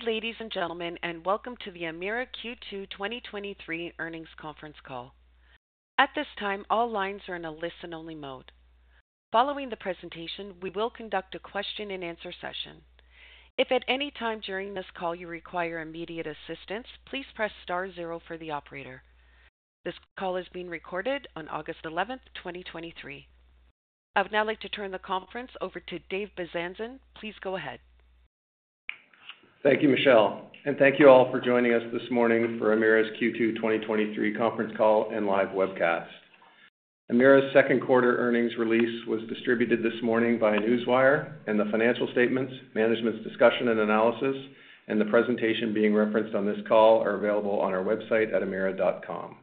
Good day, ladies and gentlemen, welcome to the Emera Q2 2023 Earnings Conference Call. At this time, all lines are in a listen-only mode. Following the presentation, we will conduct a question-and-answer session. If at any time during this call you require immediate assistance, please press *0 for the operator. This call is being recorded on August 11, 2023. I would now like to turn the conference over to Dave Bezahler Please go ahead. Thank you, Michelle. Thank you all for joining us this morning for Emera's Q2 2023 conference call and live webcast. Emera's second quarter earnings release was distributed this morning by Newswire, and the financial statements, management's discussion and analysis, and the presentation being referenced on this call are available on our website at emera.com.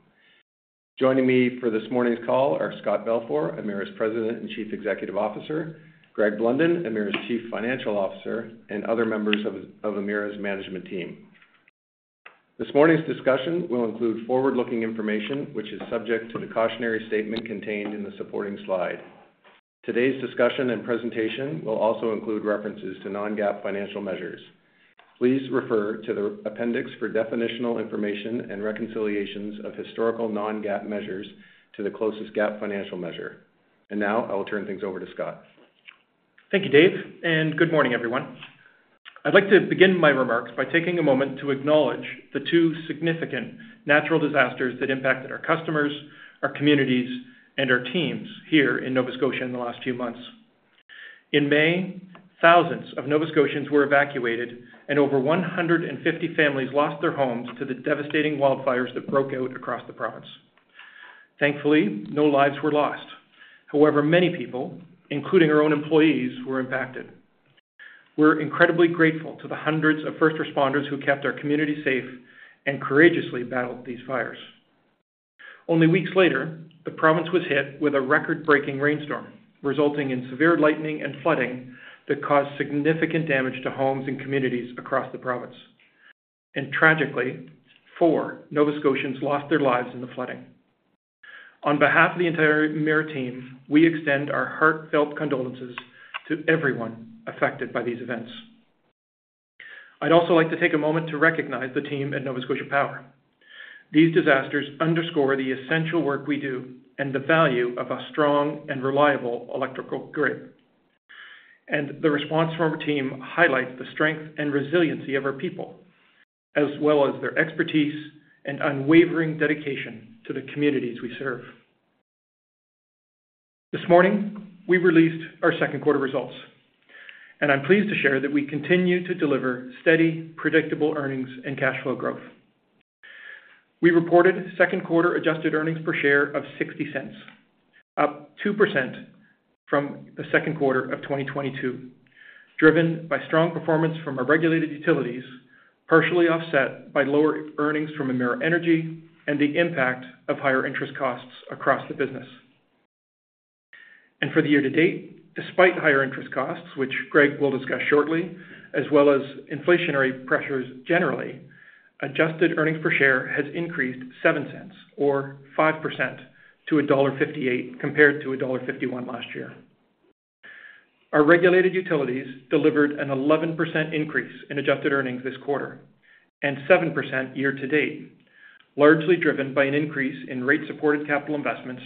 Joining me for this morning's call are Scott Balfour, Emera's President and Chief Executive Officer, Greg Blunden, Emera's Chief Financial Officer, and other members of Emera's management team. This morning's discussion will include forward-looking information, which is subject to the cautionary statement contained in the supporting slide. Today's discussion and presentation will also include references to Non-GAAP financial measures. Please refer to the appendix for definitional information and reconciliations of historical Non-GAAP measures to the closest GAAP financial measure. Now I will turn things over to Scott. Thank you, Dave, and good morning, everyone. I'd like to begin my remarks by taking a moment to acknowledge the two significant natural disasters that impacted our customers, our communities, and our teams here in Nova Scotia in the last few months. In May, thousands of Nova Scotians were evacuated and over 150 families lost their homes to the devastating wildfires that broke out across the province. Thankfully, no lives were lost. However, many people, including our own employees, were impacted. We're incredibly grateful to the hundreds of first responders who kept our community safe and courageously battled these fires. Only weeks later, the province was hit with a record-breaking rainstorm, resulting in severe lightning and flooding that caused significant damage to homes and communities across the province. Tragically, four Nova Scotians lost their lives in the flooding. On behalf of the entire Emera team, we extend our heartfelt condolences to everyone affected by these events. I'd also like to take a moment to recognize the team at Nova Scotia Power. These disasters underscore the essential work we do and the value of a strong and reliable electrical grid. The response from our team highlights the strength and resiliency of our people, as well as their expertise and unwavering dedication to the communities we serve. This morning, we released our second quarter results, and I'm pleased to share that we continue to deliver steady, predictable earnings and cash flow growth. We reported second quarter adjusted earnings per share of 0.60, up 2% from the second quarter of 2022, driven by strong performance from our regulated utilities, partially offset by lower earnings from Emera Energy and the impact of higher interest costs across the business. For the year to date, despite higher interest costs, which Greg will discuss shortly, as well as inflationary pressures generally, adjusted earnings per share has increased 0.07 or 5% to dollar 1.58, compared to dollar 1.51 last year. Our regulated utilities delivered an 11% increase in adjusted earnings this quarter, and 7% year to date, largely driven by an increase in rate-supported capital investments,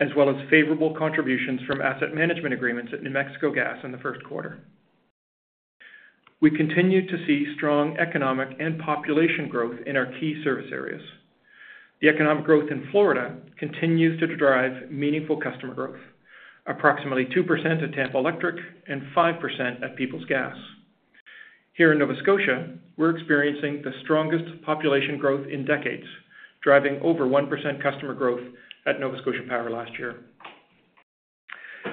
as well as favorable contributions from asset management agreements at New Mexico Gas in the first quarter. We continue to see strong economic and population growth in our key service areas. The economic growth in Florida continues to drive meaningful customer growth, approximately 2% at Tampa Electric and 5% at Peoples Gas. Here in Nova Scotia, we're experiencing the strongest population growth in decades, driving over 1% customer growth at Nova Scotia Power last year.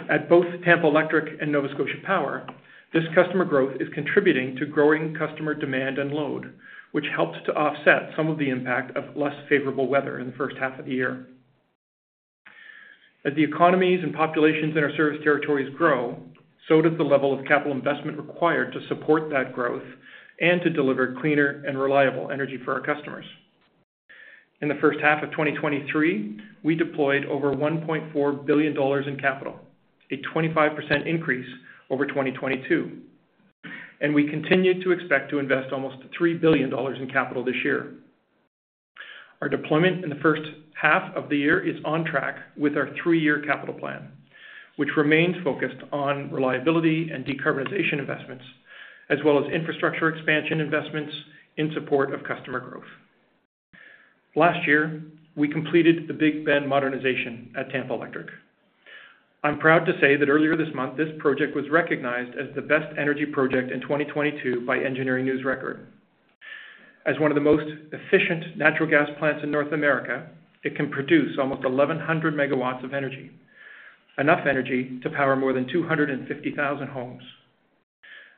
At both Tampa Electric and Nova Scotia Power, this customer growth is contributing to growing customer demand and load, which helps to offset some of the impact of less favorable weather in the first half of the year. As the economies and populations in our service territories grow, so does the level of capital investment required to support that growth and to deliver cleaner and reliable energy for our customers. In the first half of 2023, we deployed over $1.4 billion in capital, a 25% increase over 2022, and we continue to expect to invest almost $3 billion in capital this year. Our deployment in the first half of the year is on track with our three-year capital plan, which remains focused on reliability and decarbonization investments, as well as infrastructure expansion investments in support of customer growth. Last year, we completed the Big Bend Modernization at Tampa Electric. I'm proud to say that earlier this month, this project was recognized as the Best Energy Project in 2022 by Engineering News-Record. As one of the most efficient natural gas plants in North America, it can produce almost 1,100 megawatts of energy, enough energy to power more than 250,000 homes.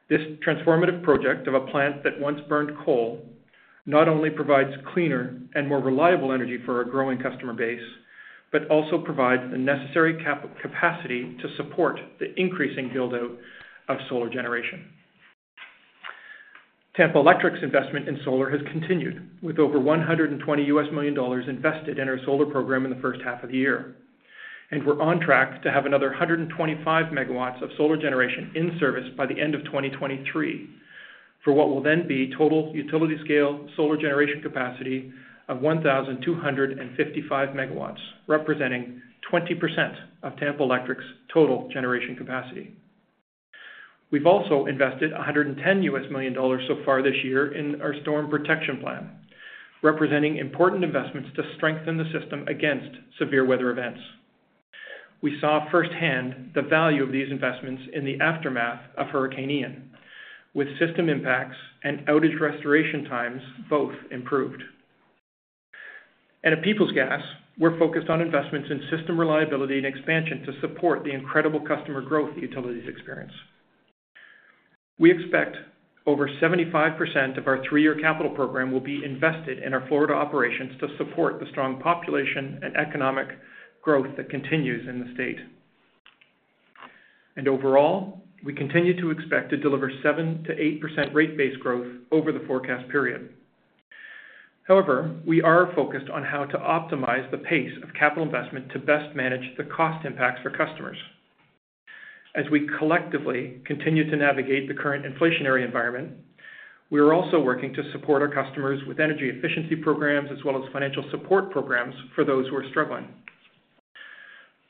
This transformative project of a plant that once burned coal not only provides cleaner and more reliable energy for our growing customer base, but also provides the necessary capacity to support the increasing build-out of solar generation. Tampa Electric's investment in solar has continued, with over $120 million invested in our solar program in the first half of the year. We're on track to have another 125 megawatts of solar generation in service by the end of 2023, for what will then be total utility-scale solar generation capacity of 1,255 megawatts, representing 20% of Tampa Electric's total generation capacity. We've also invested $110 million so far this year in our Storm Protection Plan, representing important investments to strengthen the system against severe weather events. We saw firsthand the value of these investments in the aftermath of Hurricane Ian, with system impacts and outage restoration times both improved. At Peoples Gas, we're focused on investments in system reliability and expansion to support the incredible customer growth the utilities experience. We expect over 75% of our three-year capital program will be invested in our Florida operations to support the strong population and economic growth that continues in the state. Overall, we continue to expect to deliver 7%-8% rate-based growth over the forecast period. However, we are focused on how to optimize the pace of capital investment to best manage the cost impacts for customers. As we collectively continue to navigate the current inflationary environment, we are also working to support our customers with energy efficiency programs, as well as financial support programs for those who are struggling.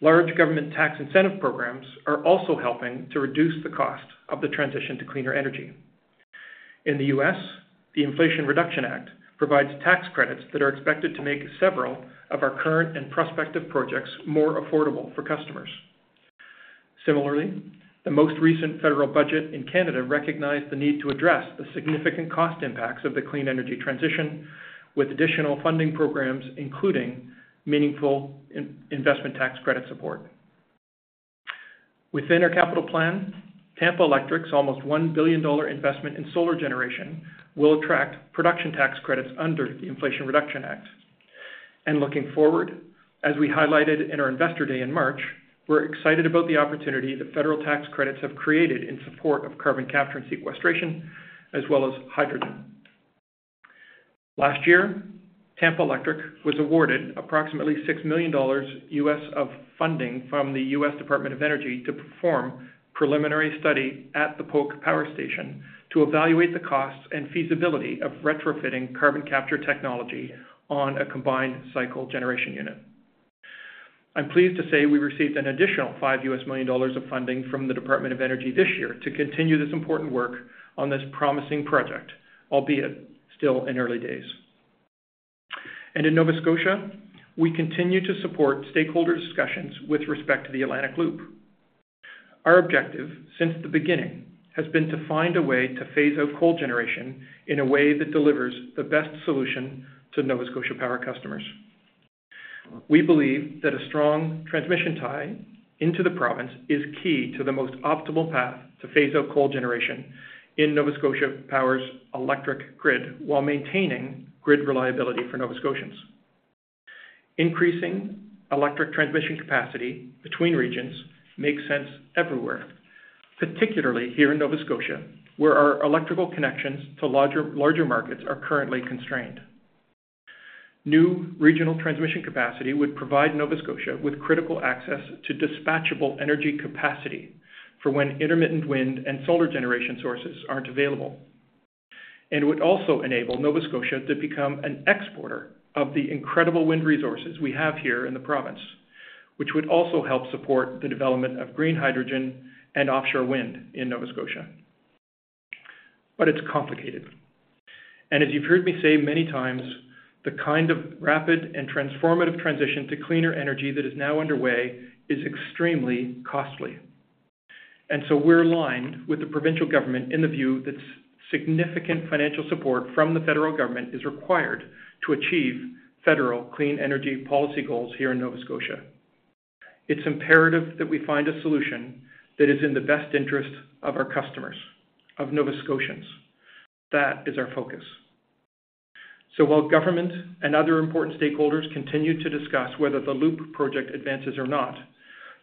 Large government tax incentive programs are also helping to reduce the cost of the transition to cleaner energy. In the U.S., the Inflation Reduction Act provides tax credits that are expected to make several of our current and prospective projects more affordable for customers. Similarly, the most recent federal budget in Canada recognized the need to address the significant cost impacts of the clean energy transition, with additional funding programs, including meaningful in-investment tax credit support. Within our capital plan, Tampa Electric's almost $1 billion investment in solar generation will attract production tax credits under the Inflation Reduction Act. Looking forward, as we highlighted in our Investor Day in March, we're excited about the opportunity that federal tax credits have created in support of Carbon Capture and Sequestration, as well as hydrogen. Last year, Tampa Electric was awarded approximately $6 million USD of funding from the US Department of Energy to perform preliminary study at the Polk Power Station to evaluate the costs and feasibility of retrofitting carbon capture technology on a combined-cycle generation unit. I'm pleased to say we received an additional $5 million of funding from the Department of Energy this year to continue this important work on this promising project, albeit still in early days. In Nova Scotia, we continue to support stakeholder discussions with respect to the Atlantic Loop. Our objective since the beginning, has been to find a way to phase out coal generation in a way that delivers the best solution to Nova Scotia Power customers. We believe that a strong transmission tie into the province is key to the most optimal path to phase out coal generation in Nova Scotia Power's electric grid, while maintaining grid reliability for Nova Scotians. Increasing electric transmission capacity between regions makes sense everywhere, particularly here in Nova Scotia, where our electrical connections to larger, larger markets are currently constrained. New regional transmission capacity would provide Nova Scotia with critical access to dispatchable energy capacity for when intermittent wind and solar generation sources aren't available. It would also enable Nova Scotia to become an exporter of the incredible wind resources we have here in the province, which would also help support the development of green hydrogen and offshore wind in Nova Scotia. It's complicated, and as you've heard me say many times, the kind of rapid and transformative transition to cleaner energy that is now underway is extremely costly. We're aligned with the provincial government in the view that significant financial support from the federal government is required to achieve federal clean energy policy goals here in Nova Scotia. It's imperative that we find a solution that is in the best interest of our customers, of Nova Scotians. That is our focus. While government and other important stakeholders continue to discuss whether the Loop project advances or not,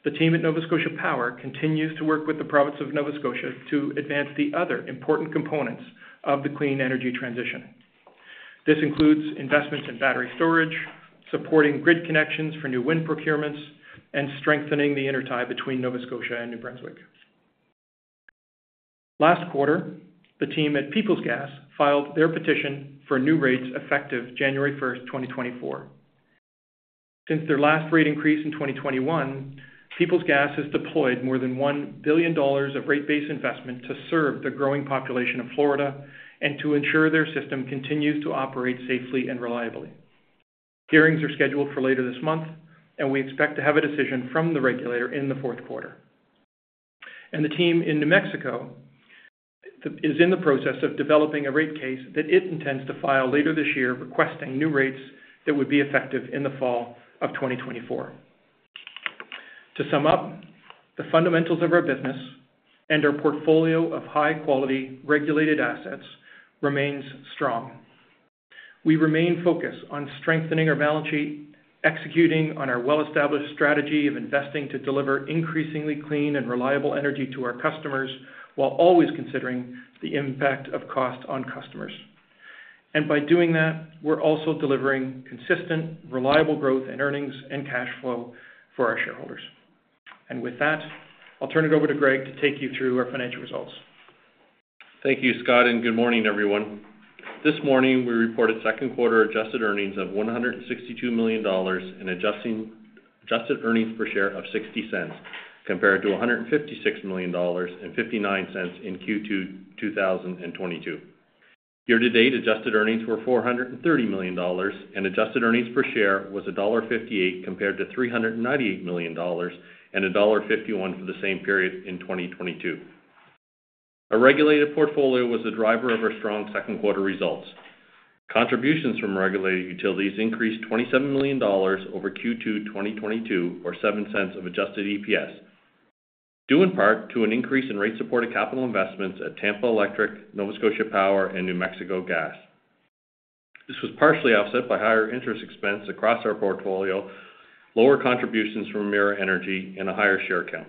the team at Nova Scotia Power continues to work with the province of Nova Scotia to advance the other important components of the clean energy transition. This includes investments in battery storage, supporting grid connections for new wind procurements, and strengthening the intertie between Nova Scotia and New Brunswick. Last quarter, the team at Peoples Gas filed their petition for new rates effective January 1, 2024. Since their last rate increase in 2021, Peoples Gas has deployed more than $1 billion of rate-based investment to serve the growing population of Florida and to ensure their system continues to operate safely and reliably. Hearings are scheduled for later this month, and we expect to have a decision from the regulator in the fourth quarter. The team in New Mexico is in the process of developing a rate case that it intends to file later this year, requesting new rates that would be effective in the fall of 2024. To sum up, the fundamentals of our business and our portfolio of high-quality, regulated assets remains strong. We remain focused on strengthening our balance sheet, executing on our well-established strategy of investing to deliver increasingly clean and reliable energy to our customers, while always considering the impact of cost on customers. By doing that, we're also delivering consistent, reliable growth in earnings and cash flow for our shareholders. With that, I'll turn it over to Greg to take you through our financial results. Thank you, Scott. Good morning, everyone. This morning, we reported second quarter adjusted earnings of $162 million and adjusted earnings per share of $0.60, compared to $156 million and $0.59 in Q2 2022. Year-to-date, adjusted earnings were $430 million, and adjusted earnings per share was $1.58, compared to $398 million and $1.51 for the same period in 2022. Our regulated portfolio was the driver of our strong second quarter results. Contributions from regulated utilities increased $27 million over Q2 2022, or $0.07 of adjusted EPS, due in part to an increase in rate support of capital investments at Tampa Electric, Nova Scotia Power, and New Mexico Gas. This was partially offset by higher interest expense across our portfolio, lower contributions from Emera Energy, and a higher share count.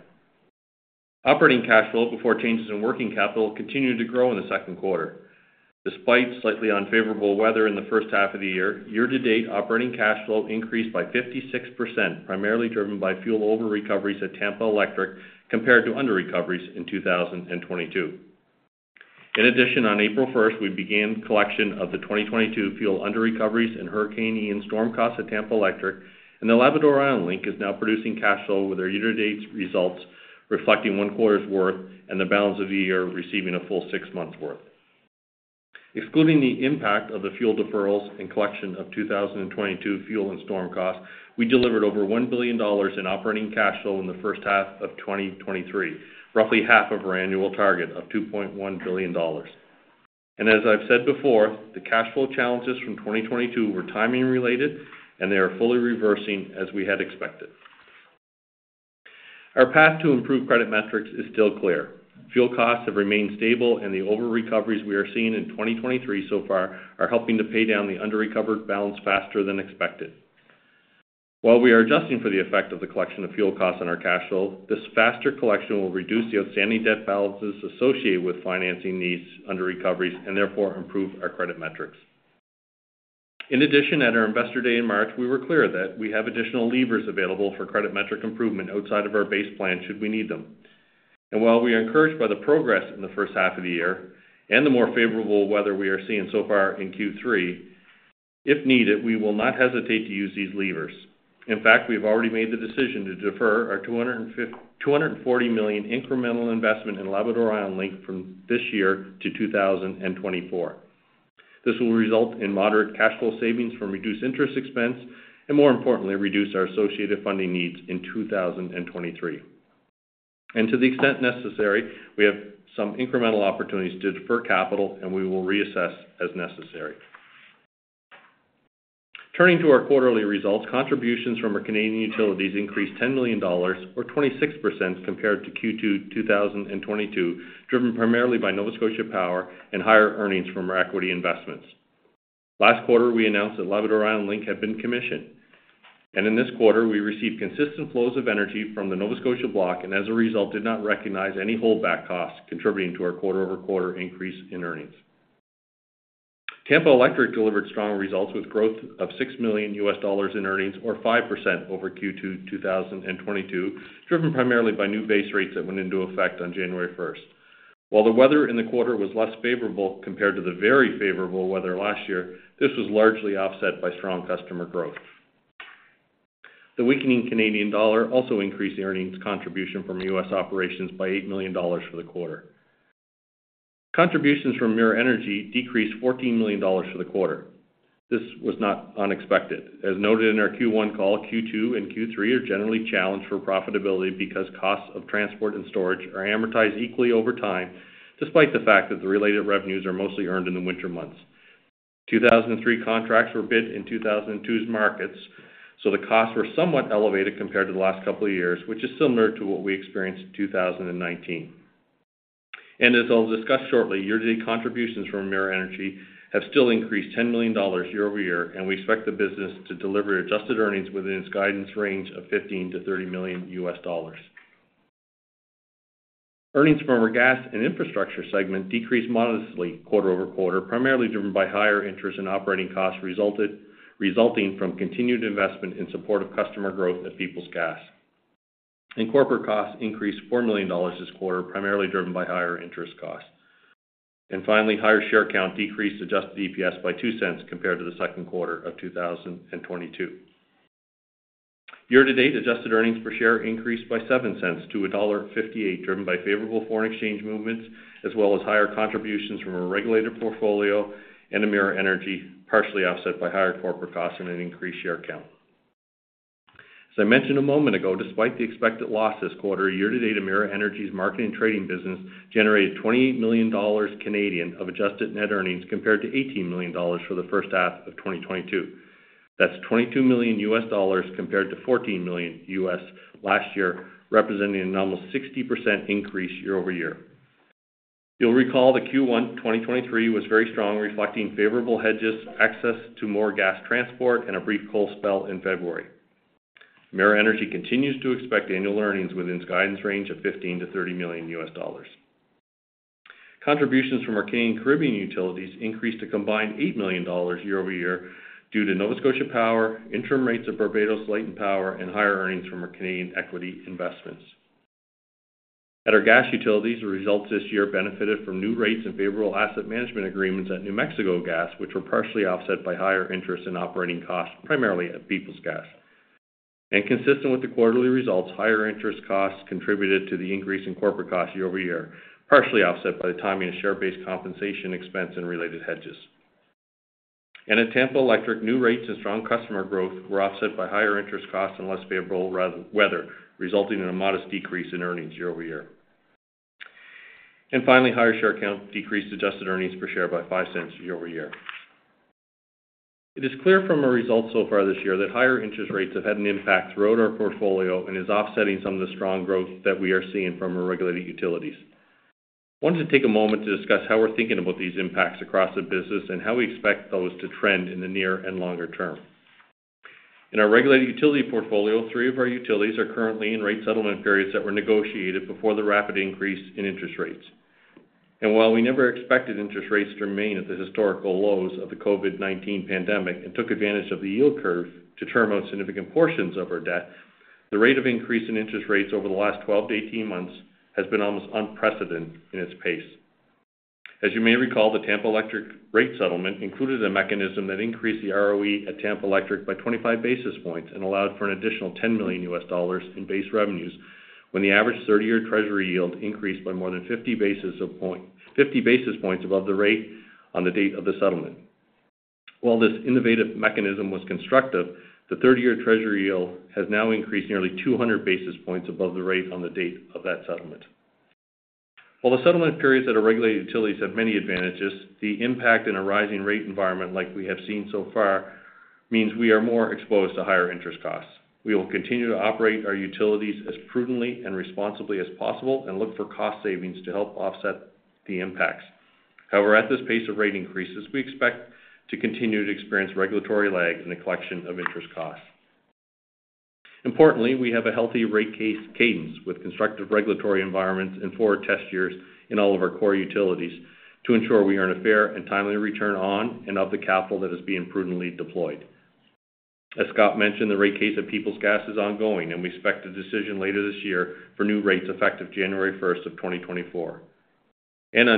Operating cash flow before changes in working capital continued to grow in the second quarter. Despite slightly unfavorable weather in the first half of the year, year-to-date operating cash flow increased by 56%, primarily driven by fuel overrecoveries at Tampa Electric compared to underrecoveries in 2022. In addition, on April 1st, we began collection of the 2022 fuel underrecoveries and Hurricane Ian storm costs at Tampa Electric, and the Labrador Island Link is now producing cash flow with our year-to-date results, reflecting 1 quarter's worth and the balance of the year receiving a full 6 months worth. Excluding the impact of the fuel deferrals and collection of 2022 fuel and storm costs, we delivered over 1 billion dollars in operating cash flow in the first half of 2023, roughly half of our annual target of 2.1 billion dollars. As I've said before, the cash flow challenges from 2022 were timing related, and they are fully reversing as we had expected. Our path to improved credit metrics is still clear. Fuel costs have remained stable, and the overrecoveries we are seeing in 2023 so far are helping to pay down the underrecovered balance faster than expected. While we are adjusting for the effect of the collection of fuel costs on our cash flow, this faster collection will reduce the outstanding debt balances associated with financing these underrecoveries and therefore improve our credit metrics. In addition, at our Investor Day in March, we were clear that we have additional levers available for credit metric improvement outside of our base plan should we need them. While we are encouraged by the progress in the first half of the year and the more favorable weather we are seeing so far in Q3, if needed, we will not hesitate to use these levers. In fact, we've already made the decision to defer our 240 million incremental investment in Labrador Island Link from this year to 2024. This will result in moderate cash flow savings from reduced interest expense, and more importantly, reduce our associated funding needs in 2023. To the extent necessary, we have some incremental opportunities to defer capital, and we will reassess as necessary. Turning to our quarterly results, contributions from our Canadian utilities increased 10 million dollars, or 26%, compared to Q2 2022, driven primarily by Nova Scotia Power and higher earnings from our equity investments. Last quarter, we announced that Labrador Island Link had been commissioned. In this quarter, we received consistent flows of energy from the Nova Scotia Block, and as a result, did not recognize any holdback costs contributing to our quarter-over-quarter increase in earnings. Tampa Electric delivered strong results, with growth of $6 million in earnings, or 5% over Q2 2022, driven primarily by new base rates that went into effect on January 1. While the weather in the quarter was less favorable compared to the very favorable weather last year, this was largely offset by strong customer growth. The weakening Canadian dollar also increased the earnings contribution from U.S. operations by $8 million for the quarter. Contributions from Emera Energy decreased $14 million for the quarter. This was not unexpected. As noted in our Q1 call, Q2 and Q3 are generally challenged for profitability because costs of transport and storage are amortized equally over time, despite the fact that the related revenues are mostly earned in the winter months. 2023 contracts were bid in 2022's markets, so the costs were somewhat elevated compared to the last couple of years, which is similar to what we experienced in 2019. As I'll discuss shortly, year-to-date contributions from Emera Energy have still increased $10 million year-over-year, and we expect the business to deliver adjusted earnings within its guidance range of $15 million-$30 million US dollars. Earnings from our gas and infrastructure segment decreased modestly quarter-over-quarter, primarily driven by higher interest and operating costs resulting from continued investment in support of customer growth at Peoples Gas. Corporate costs increased $4 million this quarter, primarily driven by higher interest costs. Finally, higher share count decreased adjusted EPS by $0.02 compared to the second quarter of 2022. Year-to-date, adjusted earnings per share increased by $0.07 to $1.58, driven by favorable foreign exchange movements, as well as higher contributions from our regulated portfolio and Emera Energy, partially offset by higher corporate costs and an increased share count. As I mentioned a moment ago, despite the expected loss this quarter, year-to-date, Emera Energy's marketing and trading business generated 28 million Canadian dollars of adjusted net earnings, compared to 18 million dollars for the first half of 2022. That's $22 million compared to $14 million last year, representing an almost 60% increase year-over-year. You'll recall that Q1, 2023 was very strong, reflecting favorable hedges, access to more gas transport, and a brief cold spell in February.... Emera Energy continues to expect annual earnings within its guidance range of $15 million-$30 million. Contributions from our Canadian and Caribbean utilities increased a combined 8 million dollars year-over-year due to Nova Scotia Power, interim rates of Barbados Light & Power, and higher earnings from our Canadian equity investments. At our gas utilities, the results this year benefited from new rates and favorable asset management agreements at New Mexico Gas, which were partially offset by higher interest in operating costs, primarily at Peoples Gas. Consistent with the quarterly results, higher interest costs contributed to the increase in corporate costs year-over-year, partially offset by the timing of share-based compensation expense and related hedges. At Tampa Electric, new rates and strong customer growth were offset by higher interest costs and less favorable weather, resulting in a modest decrease in earnings year-over-year. Finally, higher share count decreased adjusted earnings per share by $0.05 year-over-year. It is clear from our results so far this year that higher interest rates have had an impact throughout our portfolio and is offsetting some of the strong growth that we are seeing from our regulated utilities. I wanted to take a moment to discuss how we're thinking about these impacts across the business and how we expect those to trend in the near and longer term. In our regulated utility portfolio, three of our utilities are currently in rate settlement periods that were negotiated before the rapid increase in interest rates. While we never expected interest rates to remain at the historical lows of the COVID-19 pandemic and took advantage of the yield curve to term out significant portions of our debt, the rate of increase in interest rates over the last 12 to 18 months has been almost unprecedented in its pace. As you may recall, the Tampa Electric rate settlement included a mechanism that increased the ROE at Tampa Electric by 25 basis points and allowed for an additional $10 million in base revenues when the average 30-year Treasury yield increased by more than 50 basis points above the rate on the date of the settlement. While this innovative mechanism was constructive, the 30-year Treasury yield has now increased nearly 200 basis points above the rate on the date of that settlement. While the settlement periods at our regulated utilities have many advantages, the impact in a rising rate environment like we have seen so far, means we are more exposed to higher interest costs. We will continue to operate our utilities as prudently and responsibly as possible and look for cost savings to help offset the impacts. However, at this pace of rate increases, we expect to continue to experience regulatory lag in the collection of interest costs. Importantly, we have a healthy rate case cadence with constructive regulatory environments and forward test years in all of our core utilities to ensure we earn a fair and timely return on and of the capital that is being prudently deployed. As Scott mentioned, the rate case of Peoples Gas is ongoing, and we expect a decision later this year for new rates effective January 1, 2024. On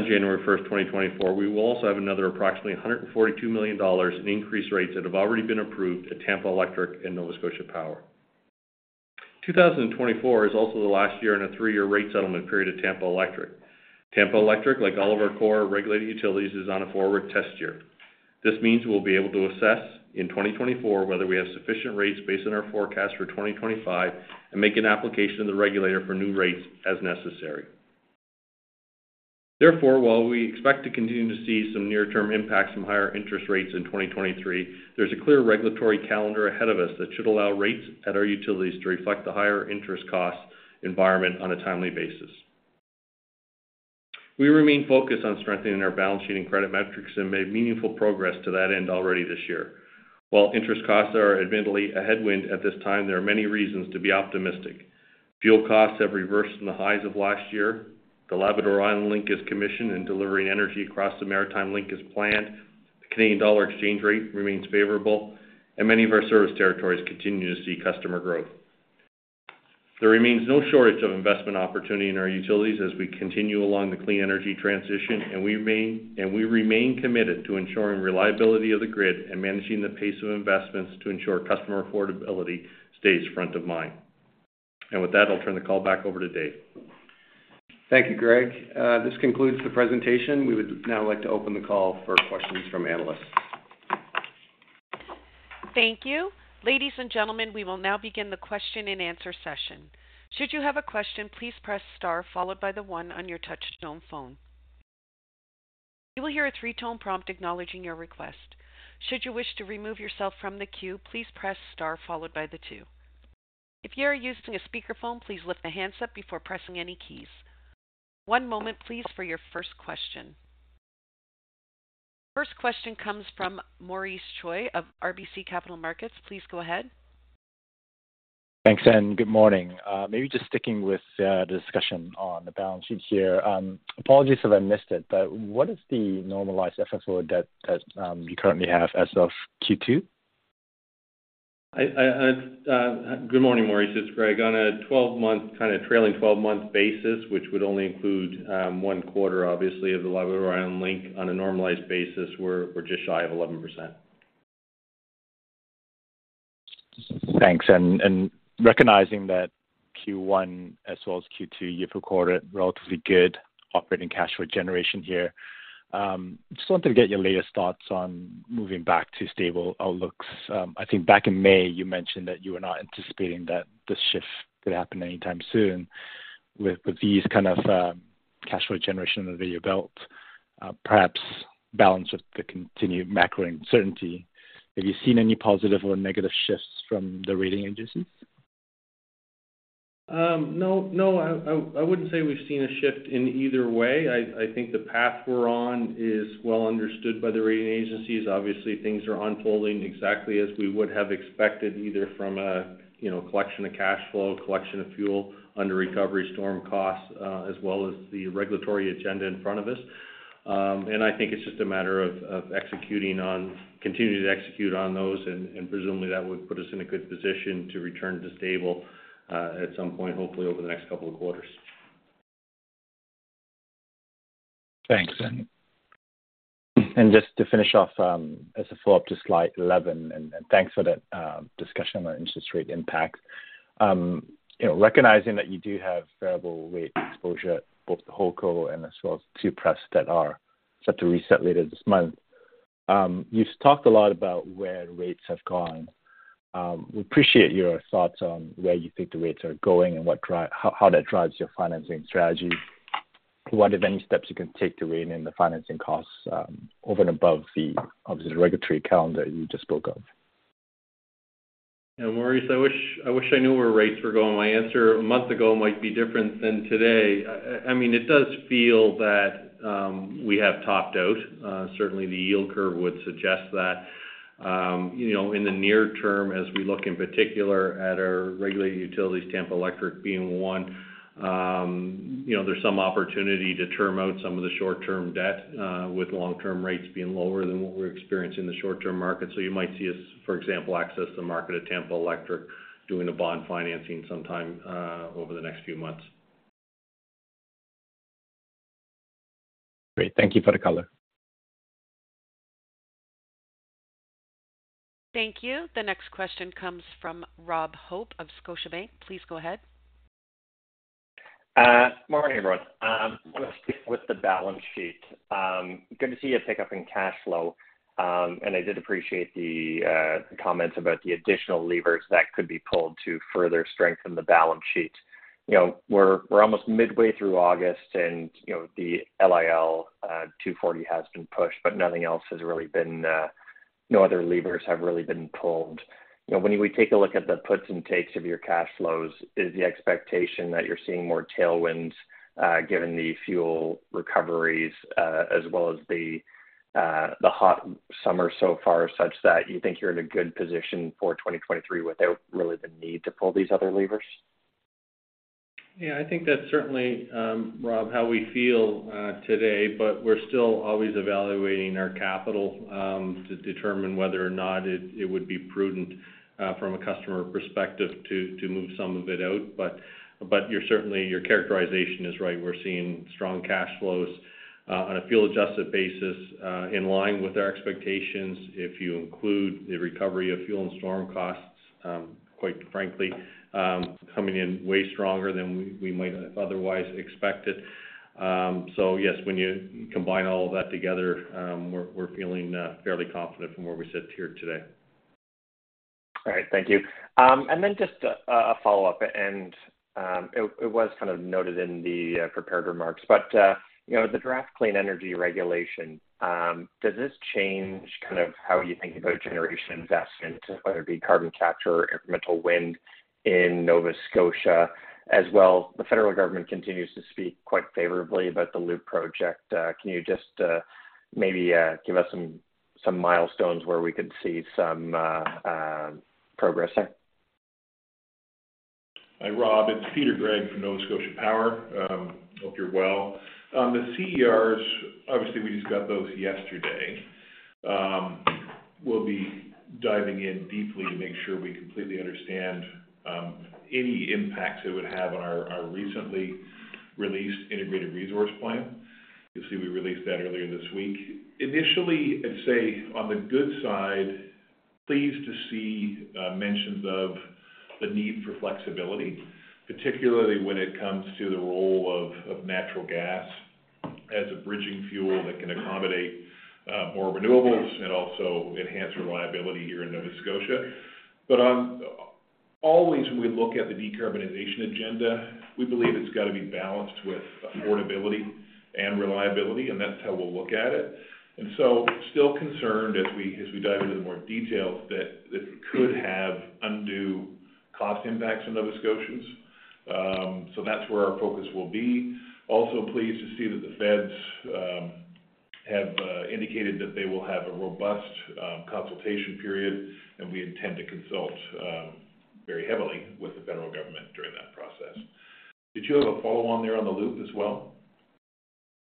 January 1, 2024, we will also have another approximately $142 million in increased rates that have already been approved at Tampa Electric and Nova Scotia Power. 2024 is also the last year in a 3-year rate settlement period of Tampa Electric. Tampa Electric, like all of our core regulated utilities, is on a forward test year. This means we'll be able to assess in 2024 whether we have sufficient rates based on our forecast for 2025 and make an application to the regulator for new rates as necessary. Therefore, while we expect to continue to see some near-term impacts from higher interest rates in 2023, there's a clear regulatory calendar ahead of us that should allow rates at our utilities to reflect the higher interest cost environment on a timely basis. We remain focused on strengthening our balance sheet and credit metrics, and made meaningful progress to that end already this year. While interest costs are admittedly a headwind at this time, there are many reasons to be optimistic. Fuel costs have reversed from the highs of last year, the Labrador Island Link is commissioned and delivering energy across the Maritime Link as planned, the Canadian dollar exchange rate remains favorable, and many of our service territories continue to see customer growth. There remains no shortage of investment opportunity in our utilities as we continue along the clean energy transition, and we remain committed to ensuring reliability of the grid and managing the pace of investments to ensure customer affordability stays front of mind. With that, I'll turn the call back over to Dave. Thank you, Greg. This concludes the presentation. We would now like to open the call for questions from analysts. Thank you. Ladies and gentlemen, we will now begin the question and answer session. Should you have a question, please press star followed by the one on your touchtone phone. You will hear a three-tone prompt acknowledging your request. Should you wish to remove yourself from the queue, please press star followed by the two. If you are using a speakerphone, please lift the handset before pressing any keys. One moment, please, for your first question. First question comes from Maurice Choi of RBC Capital Markets. Please go ahead. Thanks, and good morning. Maybe just sticking with the discussion on the balance sheet here. Apologies if I missed it, but what is the normalized FFO debt that you currently have as of Q2? I, I, I, good morning, Maurice, it's Greg. On a 12-month, kind of trailing 12-month basis, which would only include, 1 quarter, obviously, of the Labrador Island Link, on a normalized basis, we're, we're just shy of 11%. Thanks. Recognizing that Q1 as well as Q2, you've recorded relatively good operating cash flow generation here, just wanted to get your latest thoughts on moving back to stable outlooks. I think back in May, you mentioned that you were not anticipating that this shift could happen anytime soon. With, with these kind of cash flow generation under your belt, perhaps balance with the continued macro uncertainty, have you seen any positive or negative shifts from the rating agencies? no, no, I, I, I wouldn't say we've seen a shift in either way. I, I think the path we're on is well understood by the rating agencies. Obviously, things are unfolding exactly as we would have expected, either from a, you know, collection of cash flow, collection of fuel under recovery, storm costs, as well as the regulatory agenda in front of us. And I think it's just a matter of, of continuing to execute on those, and, and presumably, that would put us in a good position to return to stable, at some point, hopefully over the next couple of quarters. Thanks. Just to finish off, as a follow-up to slide 11, and thanks for that discussion on interest rate impacts. You know, recognizing that you do have variable rate exposure at both the whole co and as well as two press that are set to reset later this month. You've talked a lot about where rates have gone. We appreciate your thoughts on where you think the rates are going and how that drives your financing strategy. We wondered if any steps you can take to rein in the financing costs, over and above the, obviously, the regulatory calendar you just spoke of? Yeah, Maurice, I wish, I wish I knew where rates were going. My answer a month ago might be different than today. I, I mean, it does feel that, we have topped out. Certainly, the yield curve would suggest that. You know, in the near term, as we look in particular at our regulated utilities, Tampa Electric being one, you know, there's some opportunity to term out some of the short-term debt, with long-term rates being lower than what we're experiencing in the short-term market. You might see us, for example, access the market at Tampa Electric, doing a bond financing sometime, over the next few months. Great. Thank you for the color. Thank you. The next question comes from Rob Hope of Scotiabank. Please go ahead. Morning, everyone. I want to stick with the balance sheet. Good to see a pickup in cash flow. I did appreciate the comments about the additional levers that could be pulled to further strengthen the balance sheet. You know, we're, we're almost midway through August and, you know, the LIL 240 has been pushed, but nothing else has really been, no other levers have really been pulled. You know, when we take a look at the puts and takes of your cash flows, is the expectation that you're seeing more tailwinds, given the fuel recoveries, as well as the hot summer so far, such that you think you're in a good position for 2023 without really the need to pull these other levers? Yeah, I think that's certainly, Rob, how we feel today. We're still always evaluating our capital to determine whether or not it, it would be prudent from a customer perspective to, to move some of it out. You're certainly, your characterization is right. We're seeing strong cash flows on a fuel-adjusted basis in line with our expectations. If you include the recovery of fuel and storm costs, quite frankly, coming in way stronger than we, we might have otherwise expected. Yes, when you combine all of that together, we're, we're feeling fairly confident from where we sit here today. All right, thank you. Then just a, a follow-up, and, it, it was kind of noted in the, prepared remarks. You know, the Draft Clean Electricity Regulations, does this change kind of how you think about generation investments, whether it be carbon capture or incremental wind in Nova Scotia? As well, the federal government continues to speak quite favorably about the Loop project. Can you just, maybe, give us some, some milestones where we could see some, progress there? Hi, Rob. It's Peter Gregg from Nova Scotia Power. Hope you're well. The CERs, obviously, we just got those yesterday. We'll be diving in deeply to make sure we completely understand any impacts it would have on our, our recently released integrated resource plan. You'll see we released that earlier this week. Initially, I'd say, on the good side, pleased to see mentions of the need for flexibility, particularly when it comes to the role of, of natural gas as a bridging fuel that can accommodate more renewables and also enhance reliability here in Nova Scotia. Always when we look at the decarbonization agenda, we believe it's got to be balanced with affordability and reliability, and that's how we'll look at it. Still concerned as we, as we dive into the more details, that this could have undue cost impacts on Nova Scotians. That's where our focus will be. Also pleased to see that the Feds have indicated that they will have a robust consultation period, and we intend to consult very heavily with the federal government during that process. Did you have a follow-on there on the Loop as well?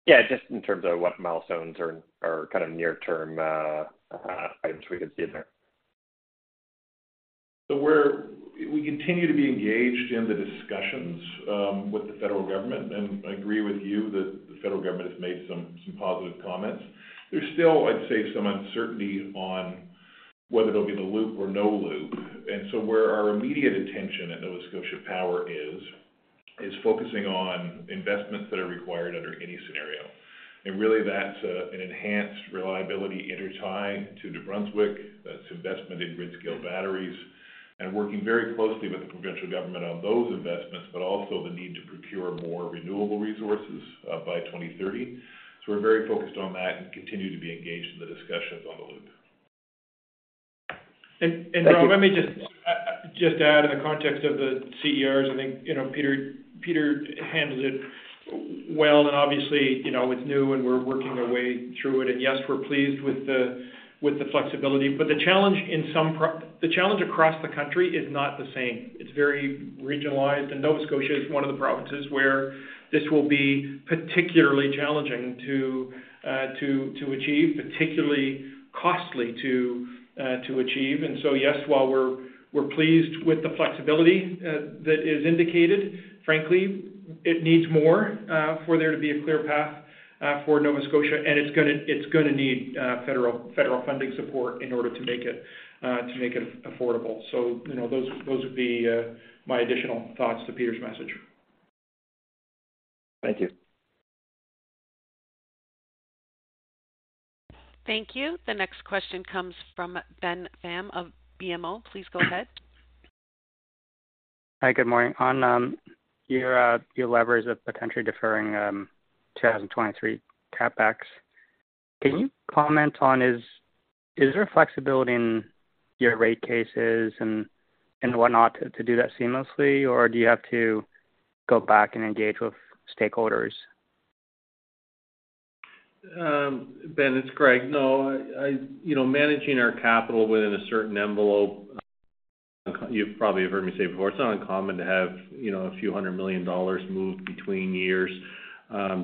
Yeah, just in terms of what milestones or kind of near-term, items we could see in there. We're-- we continue to be engaged in the discussions with the federal government, and I agree with you that the federal government has made some, some positive comments. There's still, I'd say, some uncertainty on whether there'll be the Loop or no Loop. Where our immediate attention at Nova Scotia Power is, is focusing on investments that are required under any scenario. Really, that's an enhanced reliability intertie to New Brunswick. That's investment in grid-scale batteries and working very closely with the provincial government on those investments, but also the need to procure more renewable resources by 2030. We're very focused on that and continue to be engaged in the discussions on the Loop. Rob, let me just, just add in the context of the CERs. I think, you know, Peter, Peter handled it well, and obviously, you know, it's new, and we're working our way through it. Yes, we're pleased with the, with the flexibility. The challenge in some the challenge across the country is not the same. It's very regionalized, and Nova Scotia is one of the provinces where this will be particularly challenging to, to, to achieve, particularly costly to, to achieve. Yes, while we're, we're pleased with the flexibility, that is indicated, frankly, it needs more, for there to be a clear path, for Nova Scotia, and it's gonna, it's gonna need, federal, federal funding support in order to make it, to make it affordable. You know, those, those would be, my additional thoughts to Peter's message. Thank you. Thank you. The next question comes from Ben Pham of BMO. Please go ahead. Hi, good morning. On your your levers of potentially deferring 2023 CapEx, can you comment on is, is there flexibility in your rate cases and, and whatnot to, to do that seamlessly, or do you have to go back and engage with stakeholders? Ben, it's Greg. No, I, you know, managing our capital within a certain envelope, you probably have heard me say before, it's not uncommon to have, you know, CAD a few hundred million dollars moved between years,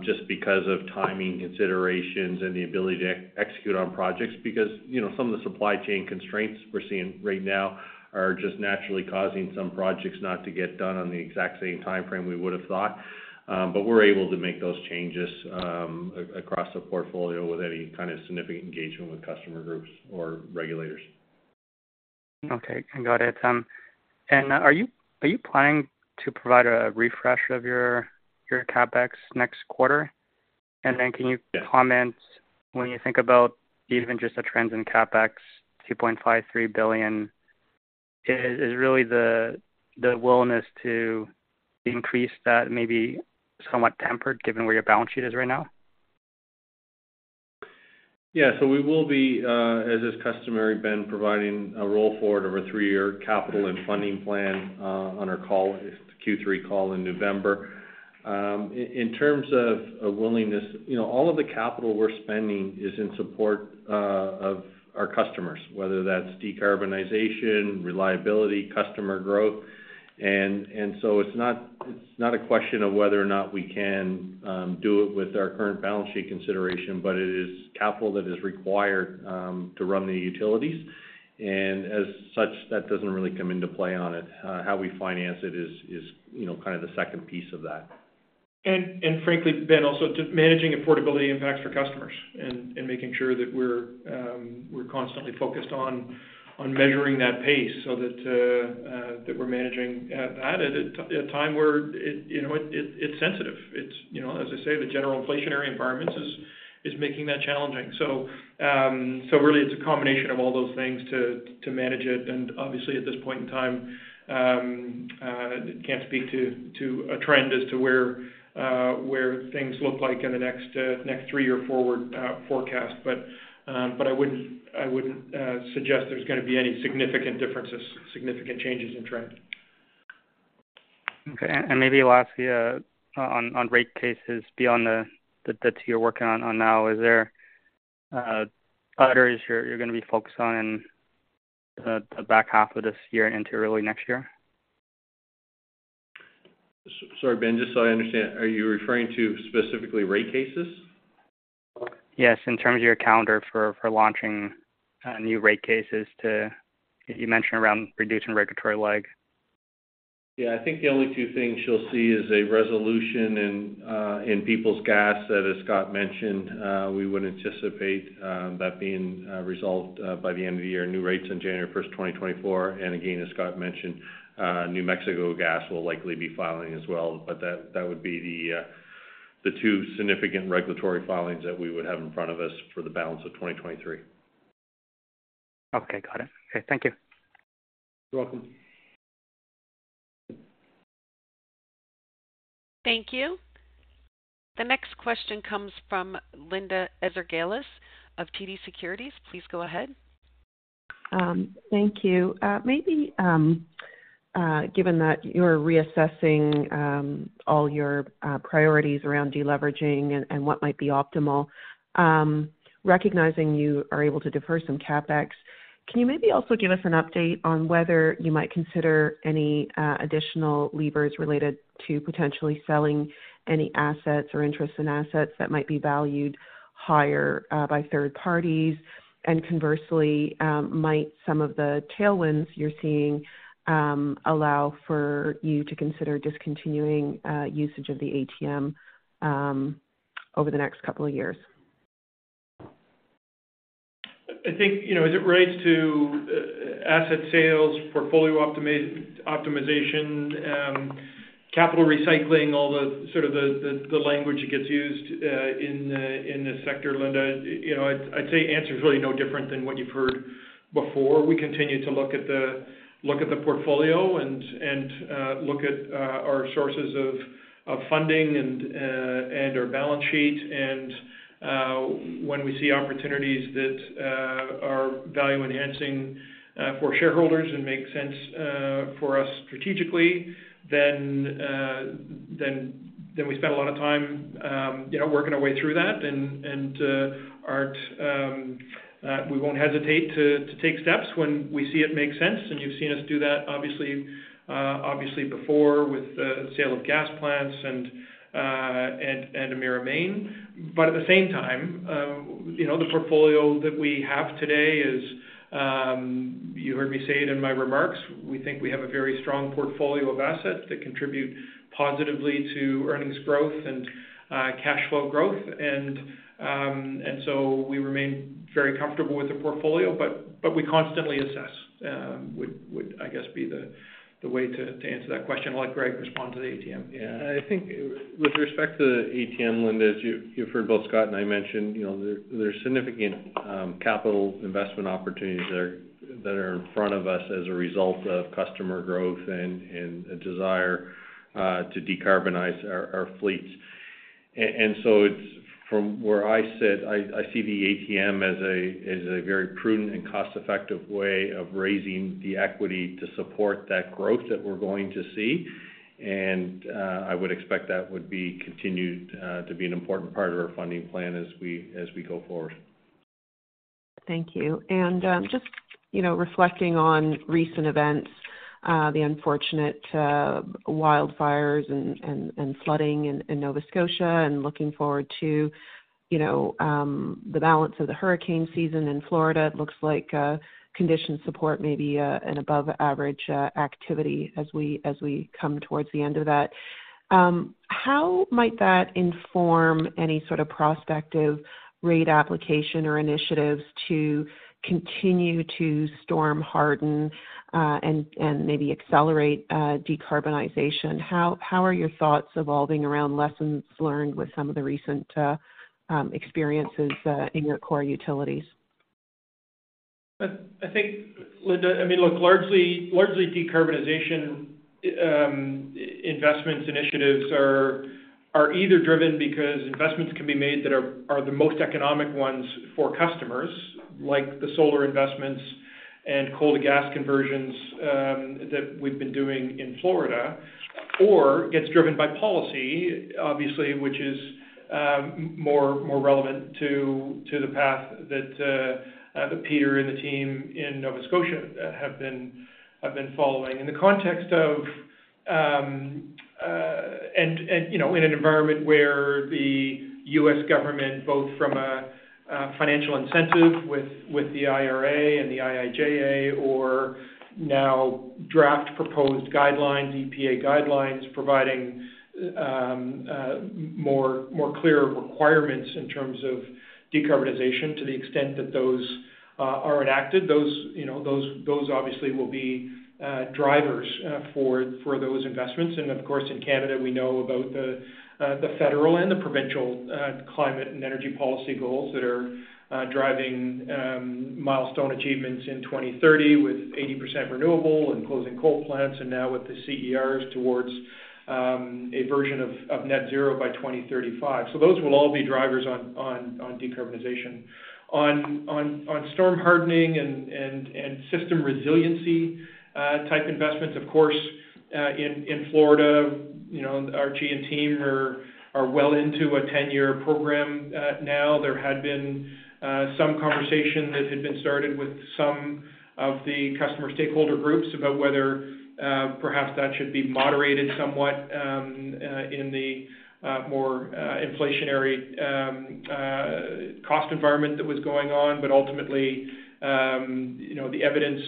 just because of timing considerations and the ability to execute on projects. You know, some of the supply chain constraints we're seeing right now are just naturally causing some projects not to get done on the exact same timeframe we would have thought. We're able to make those changes across the portfolio with any kind of significant engagement with customer groups or regulators. Okay, got it. Are you, are you planning to provide a refresh of your, your CapEx next quarter? Then can you- Yes. When you think about even just the trends in CapEx, 2.5 billion-3 billion, is really the willingness to increase that maybe somewhat tempered, given where your balance sheet is right now? Yeah. We will be, as is customary, Ben, providing a roll-forward of a three-year capital and funding plan on our call, Q3 call in November. In terms of willingness, you know, all of the capital we're spending is in support of our customers, whether that's decarbonization, reliability, customer growth. So it's not, it's not a question of whether or not we can do it with our current balance sheet consideration, but it is capital that is required to run the utilities. As such, that doesn't really come into play on it. How we finance it is, you know, kind of the second piece of that. Frankly, Ben, also to managing affordability impacts for customers and, and making sure that we're constantly focused on measuring that pace so that we're managing that at a time where it, you know, it, it, it's sensitive. It's, you know, as I say, the general inflationary environment is making that challenging. Really, it's a combination of all those things to manage it. Obviously, at this point in time, can't speak to a trend as to where things look like in the next three-year forward forecast. I wouldn't, I wouldn't suggest there's going to be any significant differences, significant changes in trend. Okay. Maybe lastly, on, on rate cases beyond the, that, that you're working on, on now, is there others you're, you're going to be focused on in the, the back half of this year into early next year? Sorry, Ben, just so I understand, are you referring to specifically rate cases? Yes, in terms of your calendar for, for launching, new rate cases to... You mentioned around reducing regulatory lag. Yeah. I think the only two things you'll see is a resolution in Peoples Gas, that, as Scott mentioned, we would anticipate that being resolved by the end of the year, new rates on January 1, 2024. Again, as Scott mentioned, New Mexico Gas will likely be filing as well. That, that would be the two significant regulatory filings that we would have in front of us for the balance of 2023. Okay, got it. Okay, thank you. You're welcome. Thank you. The next question comes from Linda Ezergailis of TD Securities. Please go ahead. Thank you. Maybe, given that you're reassessing, all your priorities around deleveraging and, and what might be optimal, recognizing you are able to defer some CapEx, can you maybe also give us an update on whether you might consider any additional levers related to potentially selling any assets or interest in assets that might be valued higher, by third parties? Conversely, might some of the tailwinds you're seeing, allow for you to consider discontinuing, usage of the ATM, over the next couple of years? I think, you know, as it relates to asset sales, portfolio optimization, capital recycling, all the sort of the, the, the language that gets used in the sector, Linda, you know, I'd, I'd say answer is really no different than what you've heard before. We continue to look at the, look at the portfolio and, and, look at our sources of funding and our balance sheet. When we see opportunities that are value-enhancing for shareholders and make sense for us strategically, then, then, then we spend a lot of time, you know, working our way through that. Aren't we won't hesitate to, to take steps when we see it make sense. You've seen us do that, obviously, obviously before with the sale of gas plants and, and, Emera Energy. At the same time, you know, the portfolio that we have today is, you heard me say it in my remarks, we think we have a very strong portfolio of assets that contribute positively to earnings growth and, cash flow growth. We remain very comfortable with the portfolio, but, but we constantly assess, would, would, I guess, be the, the way to, to answer that question. I'll let Greg respond to the ATM. I think with respect to the ATM, Linda, as you've heard both Scott and I mention, you know, there, there's significant capital investment opportunities that are, that are in front of us as a result of customer growth and, and a desire to decarbonize our, our fleets. So it's from where I sit, I, I see the ATM as a, as a very prudent and cost-effective way of raising the equity to support that growth that we're going to see. I would expect that would be continued to be an important part of our funding plan as we, as we go forward. Thank you. Just, you know, reflecting on recent events, the unfortunate wildfires and, and, and flooding in, in Nova Scotia, and looking forward to, you know, the balance of the hurricane season in Florida. It looks like conditions support maybe an above-average activity as we, as we come towards the end of that. How might that inform any sort of prospective rate application or initiatives to continue to storm harden, and, and maybe accelerate decarbonization? How, how are your thoughts evolving around lessons learned with some of the recent experiences in your core utilities? I, I think, Linda, I mean, look, largely, largely decarbonization investments initiatives are, are either driven because investments can be made that are, are the most economic ones for customers, like the solar investments and coal to gas conversions that we've been doing in Florida, or gets driven by policy, obviously, which is more, more relevant to, to the path that Peter and the team in Nova Scotia have been, have been following. In the context of, you know, in an environment where the U.S. government, both from a, a financial incentive with, with the IRA and the IIJA, or now draft proposed guidelines, EPA guidelines, providing more, more clear requirements in terms of decarbonization. To the extent that those are enacted, those, you know, those, those obviously will be drivers for those investments. Of course, in Canada, we know about the federal and the provincial climate and energy policy goals that are driving milestone achievements in 2030, with 80% renewable and closing coal plants, and now with the CERs towards a version of net zero by 2035. Those will all be drivers on decarbonization. On storm hardening and system resiliency type investments, of course, in Florida, you know, Archie and team are well into a 10-year program now. There had been some conversation that had been started with some of the customer stakeholder groups about whether perhaps that should be moderated somewhat in the more inflationary cost environment that was going on. Ultimately, you know, the evidence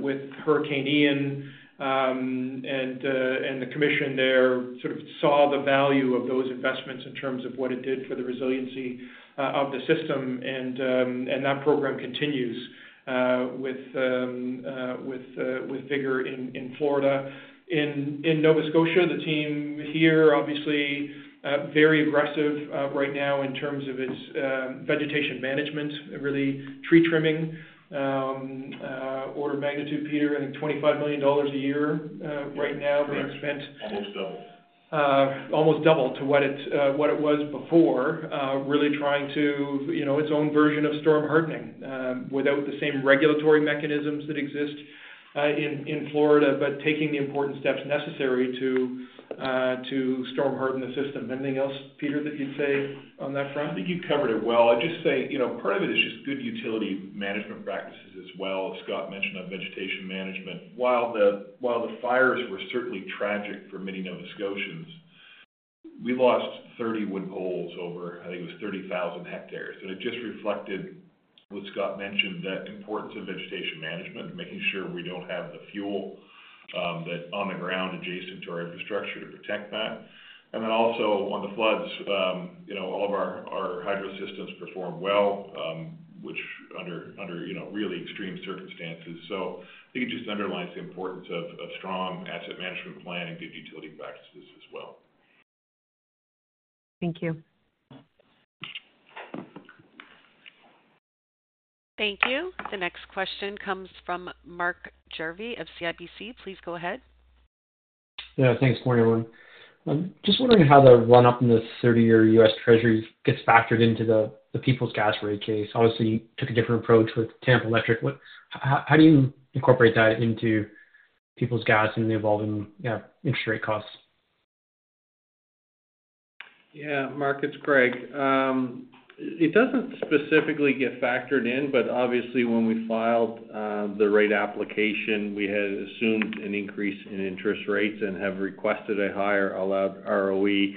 with Hurricane Ian, and the commission there sort of saw the value of those investments in terms of what it did for the resiliency of the system, and that program continues with vigor in Florida. In Nova Scotia, the team here, obviously, very aggressive right now in terms of its vegetation management, really tree trimming, order of magnitude, Peter, I think 25 million dollars a year, right now- Correct. Being spent. Almost double. Almost double to what it, what it was before. Really trying to, you know, its own version of storm hardening, without the same regulatory mechanisms that exist in Florida, but taking the important steps necessary to storm harden the system. Anything else, Peter, that you'd say on that front? I think you covered it well. I'd just say, you know, part of it is just good utility management practices as well, as Scott mentioned, on vegetation management. While the, while the fires were certainly tragic for many Nova Scotians, we lost 30 wood poles over, I think it was 30,000 hectares. It just reflected what Scott mentioned, that importance of vegetation management and making sure we don't have the fuel that on the ground adjacent to our infrastructure to protect that. Then also on the floods, you know, all of our, our hydro systems performed well, which under, under, you know, really extreme circumstances. I think it just underlines the importance of, of strong asset management plan and good utility practices as well. Thank you. Thank you. The next question comes from Mark Jarvi of CIBC. Please go ahead. Yeah, thanks. Good morning, everyone. I'm just wondering how the run-up in the 30-year US Treasury gets factored into the, the Peoples Gas rate case. Obviously, you took a different approach with Tampa Electric. How do you incorporate that into Peoples Gas and the evolving, you know, interest rate costs? Yeah, Mark, it's Greg. It doesn't specifically get factored in, but obviously, when we filed the rate application, we had assumed an increase in interest rates and have requested a higher allowed ROE.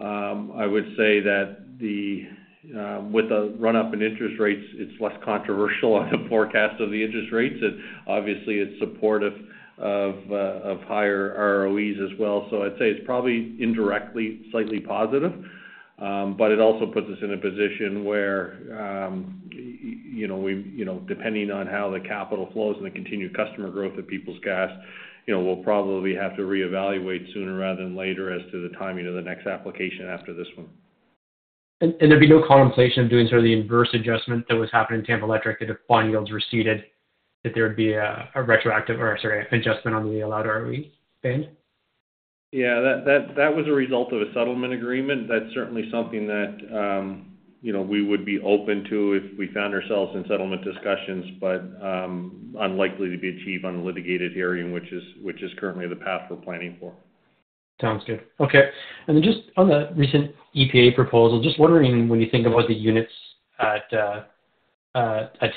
I would say that the with a run-up in interest rates, it's less controversial on the forecast of the interest rates. It obviously is supportive of higher ROEs as well. I'd say it's probably indirectly slightly positive. But it also puts us in a position where y-you know, we, you know, depending on how the capital flows and the continued customer growth of Peoples Gas, you know, we'll probably have to reevaluate sooner rather than later as to the timing of the next application after this one. And there'd be no contemplation of doing sort of the inverse adjustment that was happening in Tampa Electric, if the bond yields receded, that there would be a, a retroactive or, sorry, adjustment on the allowed ROE spend? Yeah, that, that, that was a result of a settlement agreement. That's certainly something that, you know, we would be open to if we found ourselves in settlement discussions, but, unlikely to be achieved on a litigated hearing, which is, which is currently the path we're planning for. Sounds good. Okay. Then just on the recent EPA proposal, just wondering when you think about the units at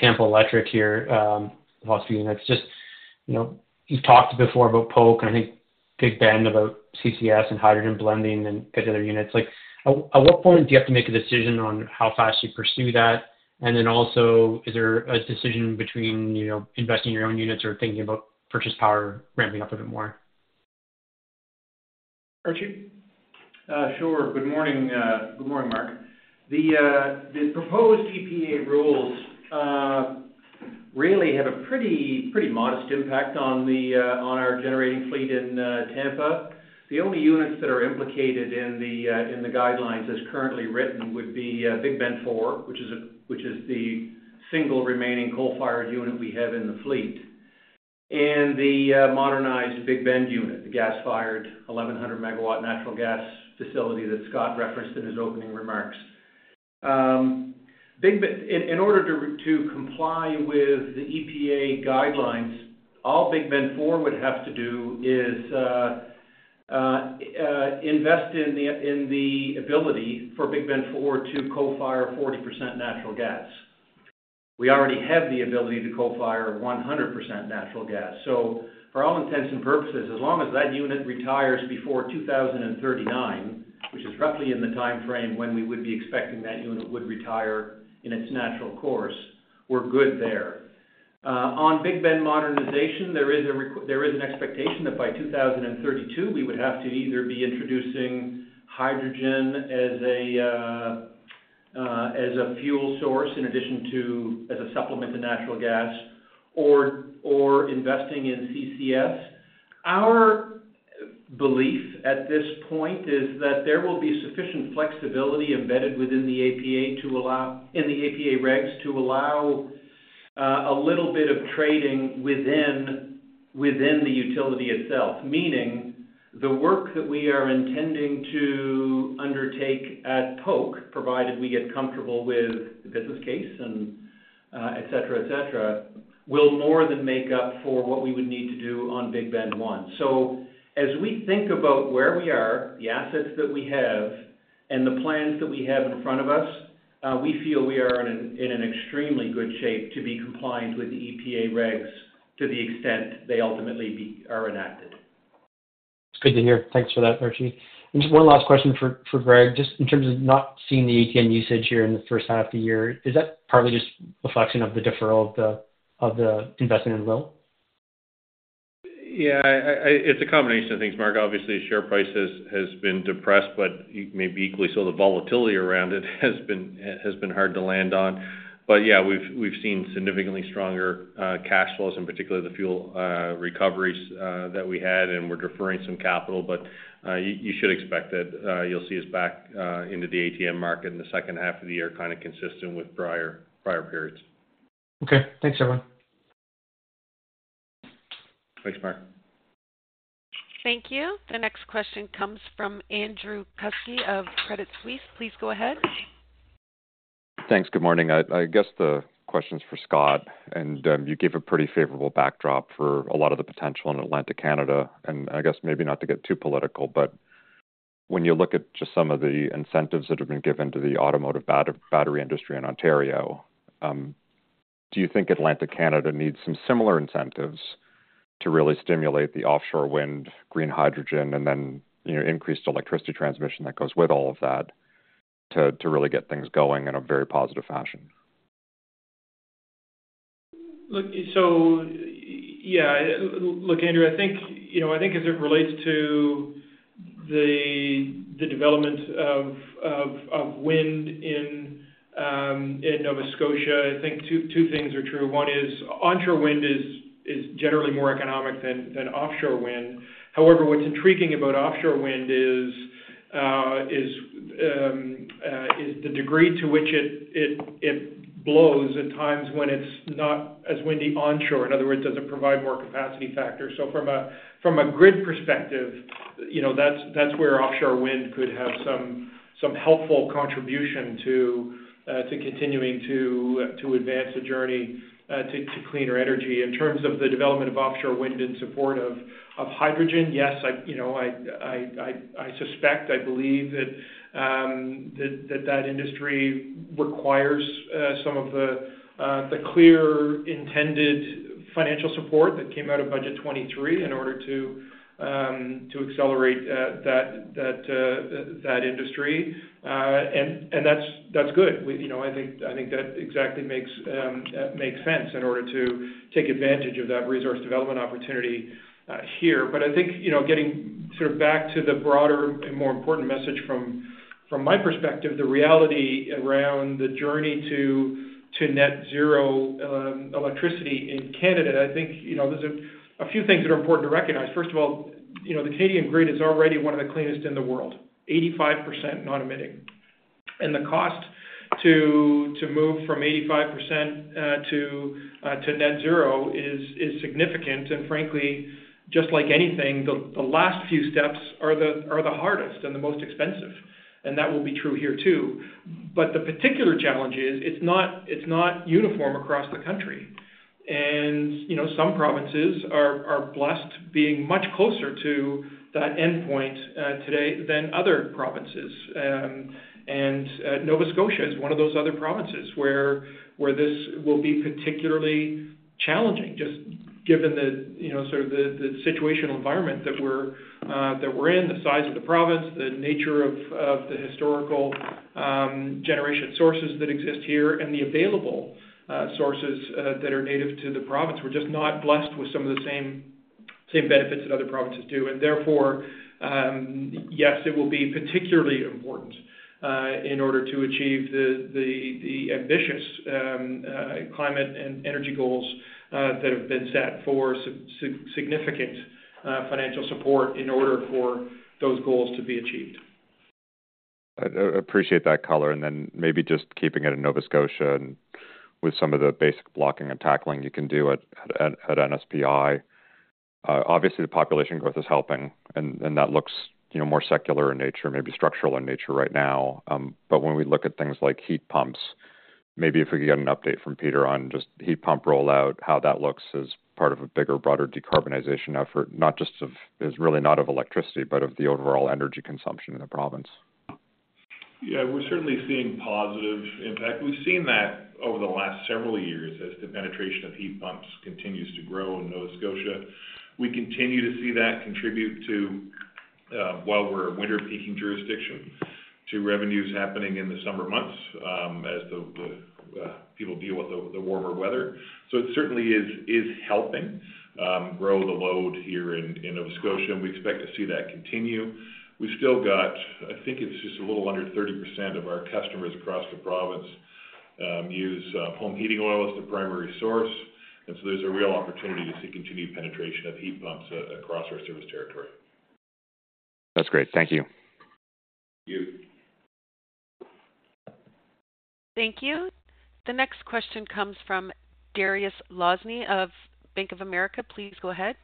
Tampa Electric here, the last few units, just, you know, you've talked before about Polk and I think Big Bend, about CCS and hydrogen blending and other units. Like, at, at what point do you have to make a decision on how fast you pursue that? Then also, is there a decision between, you know, investing in your own units or thinking about purchase power, ramping up a bit more? Archie? Sure. Good morning. Good morning, Mark. The proposed EPA rules really have a pretty, pretty modest impact on our generating fleet in Tampa. The only units that are implicated in the guidelines, as currently written, would be Big Bend Unit 4, which is the single remaining coal-fired unit we have in the fleet, and the Big Bend Unit 1, the gas-fired 1,100 megawatt natural gas facility that Scott referenced in his opening remarks. In order to comply with the EPA guidelines, all Big Bend Unit 4 would have to do is invest in the ability for Big Bend Unit 4 to co-fire 40% natural gas. We already have the ability to co-fire 100% natural gas. For all intents and purposes, as long as that unit retires before 2039, which is roughly in the timeframe when we would be expecting that unit would retire in its natural course, we're good there. On Big Bend modernization, there is an expectation that by 2032, we would have to either be introducing hydrogen as a fuel source in addition to, as a supplement to natural gas or, or investing in CCS. Our belief at this point is that there will be sufficient flexibility embedded within the EPA to allow in the EPA regs, to allow a little bit of trading within, within the utility itself. Meaning, the work that we are intending to undertake at Polk, provided we get comfortable with the business case and, et cetera, et cetera, will more than make up for what we would need to do on Big Bend Unit 1. As we think about where we are, the assets that we have, and the plans that we have in front of us, we feel we are in an extremely good shape to be compliant with the EPA regs to the extent they ultimately are enacted. It's good to hear. Thanks for that, Archie. Just one last question for Greg. Just in terms of not seeing the ATM usage here in the first half of the year, is that partly just a reflection of the deferral of the investment in Will? Yeah, I, I, it's a combination of things, Mark. Obviously, share price has, has been depressed, but maybe equally so the volatility around it has been, has been hard to land on. You, you should expect that you'll see us back into the ATM market in the second half of the year, kind of consistent with prior, prior periods. Okay. Thanks, everyone. Thanks, Mark. Thank you. The next question comes from Andrew Kuske of Credit Suisse. Please go ahead. Thanks. Good morning. I, I guess the question is for Scott. You gave a pretty favorable backdrop for a lot of the potential in Atlantic Canada. I guess maybe not to get too political, but when you look at just some of the incentives that have been given to the automotive battery industry in Ontario, do you think Atlantic Canada needs some similar incentives to really stimulate the offshore wind, green hydrogen, and then, you know, increased electricity transmission that goes with all of that, to, to really get things going in a very positive fashion? Look, yeah. Look, Andrew, I think, you know, I think as it relates to the, the development of, of, of wind in, in Nova Scotia, I think two, two things are true. One is, onshore wind is, is generally more economic than, than offshore wind. However, what's intriguing about offshore wind is...... is, is the degree to which it, it, it blows at times when it's not as windy onshore. In other words, does it provide more capacity factors? So from a, from a grid perspective, you know, that's, that's where offshore wind could have some, some helpful contribution to, to continuing to, to advance the journey, to cleaner energy. In terms of the development of offshore wind in support of, of hydrogen, yes, I, you know, I, I, I, I suspect, I believe that, that, that, that industry requires, some of the, the clear intended financial support that came out of budget 23 in order to, to accelerate, that, that, that industry. And, and that's, that's good. You know, I think, I think that exactly makes sense in order to take advantage of that resource development opportunity here. I think, you know, getting sort of back to the broader and more important message from, from my perspective, the reality around the journey to net zero electricity in Canada, I think, you know, there's a few things that are important to recognize. First of all, you know, the Canadian grid is already one of the cleanest in the world, 85% not emitting. The cost to move from 85% to net zero is significant. Frankly, just like anything, the last few steps are the hardest and the most expensive, and that will be true here too. The particular challenge is, it's not, it's not uniform across the country. You know, some provinces are blessed being much closer to that endpoint today than other provinces. Nova Scotia is one of those other provinces where this will be particularly challenging, just given the, you know, sort of the situational environment that we're that we're in, the size of the province, the nature of the historical generation sources that exist here, and the available sources that are native to the province. We're just not blessed with some of the same, same benefits that other provinces do. Therefore, yes, it will be particularly important in order to achieve the ambitious climate and energy goals that have been set for significant financial support in order for those goals to be achieved. I appreciate that color. Then maybe just keeping it in Nova Scotia and with some of the basic blocking and tackling you can do at NSPI. Obviously, the population growth is helping, and that looks, you know, more secular in nature, maybe structural in nature right now. But when we look at things like heat pumps, maybe if we could get an update from Peter on just heat pump rollout, how that looks as part of a bigger, broader decarbonization effort, not really of electricity, but of the overall energy consumption in the province. We're certainly seeing positive impact. We've seen that over the last several years as the penetration of heat pumps continues to grow in Nova Scotia. We continue to see that contribute to, while we're a winter peaking jurisdiction, to revenues happening in the summer months, as the, the, people deal with the, the warmer weather. It certainly is, is helping, grow the load here in, in Nova Scotia, and we expect to see that continue. We've still got... I think it's just a little under 30% of our customers across the province, use home heating oil as the primary source, and so there's a real opportunity to see continued penetration of heat pumps across our service territory. That's great. Thank you. Thank you. Thank you. The next question comes from Dariusz Lozny of Bank of America. Please go ahead.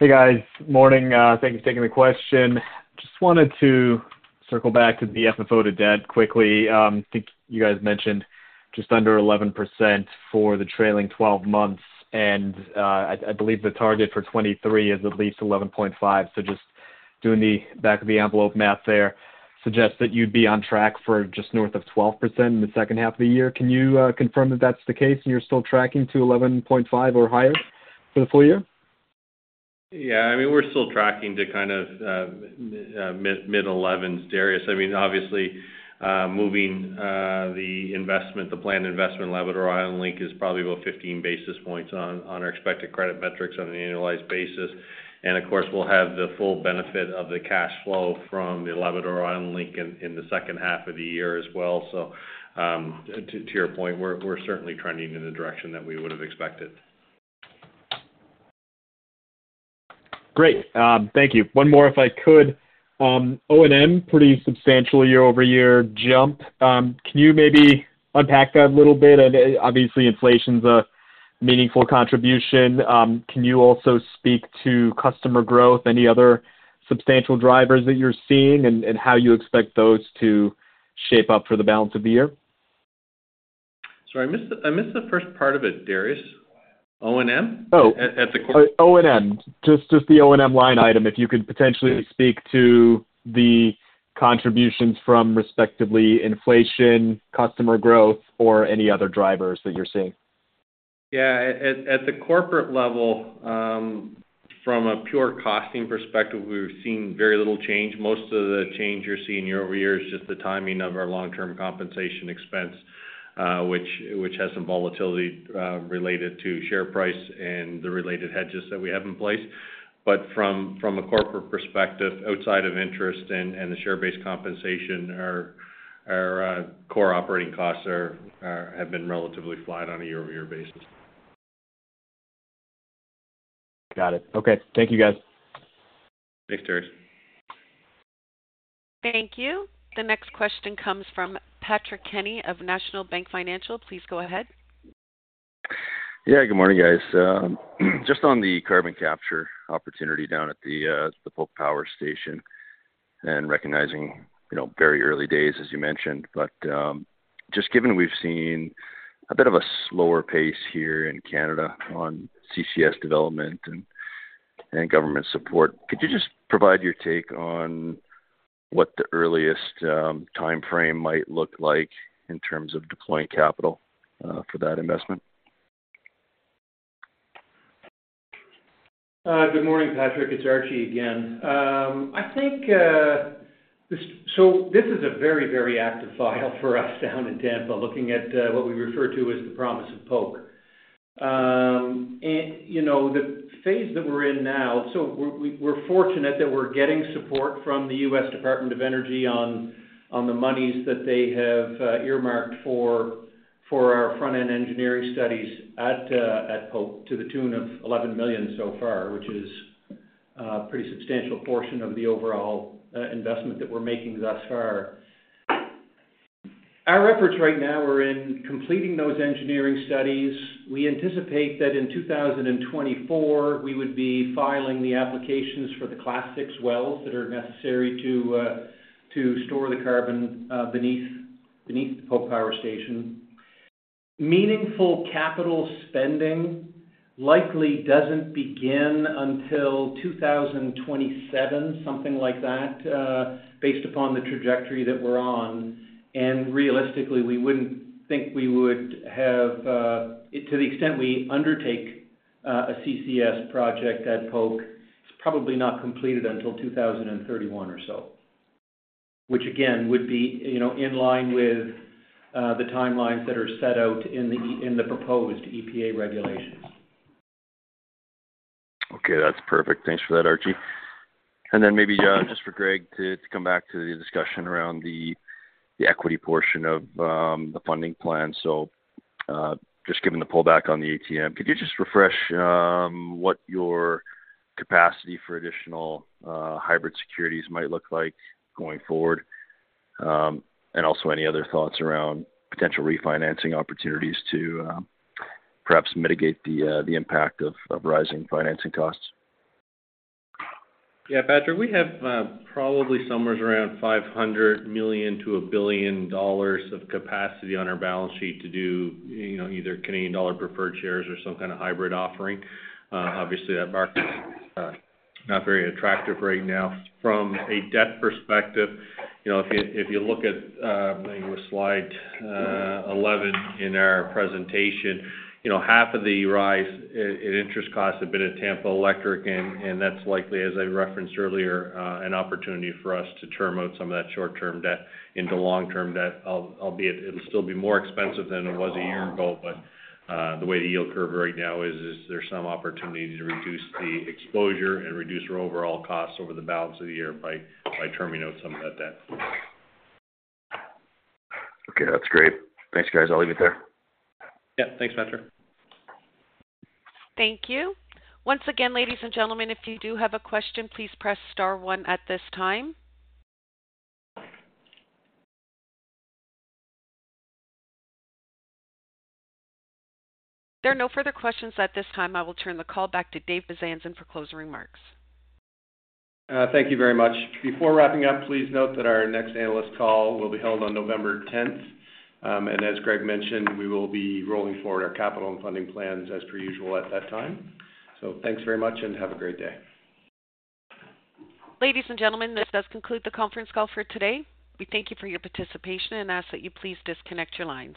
Hey, guys. Morning. Thank you for taking the question. Just wanted to circle back to the FFO to debt quickly. I think you guys mentioned just under 11% for the trailing 12 months, and I, I believe the target for 2023 is at least 11.5. Just doing the back-of-the-envelope math there, suggests that you'd be on track for just north of 12% in the second half of the year. Can you confirm that that's the case, and you're still tracking to 11.5 or higher for the full year? Yeah, I mean, we're still tracking to kind of mid-11s, Darius. I mean, obviously, moving the investment, the planned investment in Labrador Island Link is probably about 15 basis points on our expected credit metrics on an annualized basis. Of course, we'll have the full benefit of the cash flow from the Labrador Island Link in the second half of the year as well. To your point, we're certainly trending in the direction that we would have expected. Great. Thank you. One more, if I could. O&M, pretty substantial year-over-year jump. Can you maybe unpack that a little bit? Obviously, inflation's a meaningful contribution. Can you also speak to customer growth, any other substantial drivers that you're seeing, and, and how you expect those to shape up for the balance of the year? Sorry, I missed the, I missed the first part of it, Darius. O&M? Oh- At.... O&M. Just the O&M line item, if you could potentially speak to the contributions from respectively, inflation, customer growth, or any other drivers that you're seeing? Yeah. At the corporate level, from a pure costing perspective, we've seen very little change. Most of the change you're seeing year-over-year is just the timing of our long-term compensation expense, which, which has some volatility, related to share price and the related hedges that we have in place. From, from a corporate perspective, outside of interest and, and the share-based compensation, our, our core operating costs have been relatively flat on a year-over-year basis. Got it. Okay. Thank you, guys. Thanks, Dariusz. Thank you. The next question comes from Patrick Kenny of National Bank Financial. Please go ahead. Yeah, good morning, guys. Just on the carbon capture opportunity down at the Polk Power Station and recognizing, you know, very early days, as you mentioned. Just given we've seen a bit of a slower pace here in Canada on CCS development and, and government support, could you just provide your take on what the earliest time frame might look like in terms of deploying capital for that investment? Good morning, Patrick. It's Archie again. I think, so this is a very, very active file for us down in Tampa, looking at what we refer to as the Promise of Polk. You know, the phase that we're in now, so we're, we, we're fortunate that we're getting support from the US Department of Energy on the monies that they have earmarked for our front-end engineering studies at Polk, to the tune of $11 million so far, which is a pretty substantial portion of the overall investment that we're making thus far. Our efforts right now are in completing those engineering studies. We anticipate that in 2024, we would be filing the applications for the Class VI wells that are necessary to store the carbon beneath the Polk Power Station. Meaningful capital spending likely doesn't begin until 2027, something like that, based upon the trajectory that we're on. Realistically, we wouldn't think we would have, to the extent we undertake, a CCS project at Polk, it's probably not completed until 2031 or so. Which again, would be, you know, in line with, the timelines that are set out in the, in the proposed EPA regulations. Okay, that's perfect. Thanks for that, Archie. Then maybe, just for Greg to, to come back to the discussion around the, the equity portion of the funding plan. Just given the pullback on the ATM, could you just refresh, what your capacity for additional, hybrid securities might look like going forward? Also any other thoughts around potential refinancing opportunities to, perhaps mitigate the impact of rising financing costs? Yeah, Patrick, we have, probably somewhere around 500 million-1 billion dollars of capacity on our balance sheet to do, you know, either Canadian dollar preferred shares or some kind of hybrid offering. Obviously, that market not very attractive right now. From a debt perspective, you know, if you, if you look at, I think it was slide 11 in our presentation, you know, half of the rise in, in interest costs have been at Tampa Electric, and that's likely, as I referenced earlier, an opportunity for us to term out some of that short-term debt into long-term debt. Albeit it'll still be more expensive than it was 1 year ago, but, the way the yield curve right now is, is there's some opportunity to reduce the exposure and reduce our overall costs over the balance of the year by, by terming out some of that debt. Okay, that's great. Thanks, guys. I'll leave it there. Yeah. Thanks, Patrick. Thank you. Once again, ladies and gentlemen, if you do have a question, please press star one at this time. If there are no further questions at this time, I will turn the call back to David Bezanson for closing remarks. Thank you very much. Before wrapping up, please note that our next analyst call will be held on November 10. As Greg mentioned, we will be rolling forward our capital and funding plans as per usual at that time. Thanks very much and have a great day. Ladies and gentlemen, this does conclude the conference call for today. We thank you for your participation and ask that you please disconnect your lines.